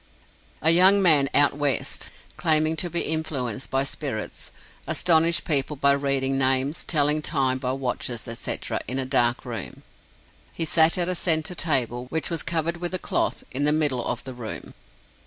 A young man "out West," claiming to be influenced by spirits, astonished people by reading names, telling time by watches, etc., in a dark room. He sat at a centre table, which was covered with a cloth, in the middle of the room.